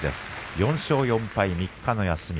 ４勝４敗３日の休み。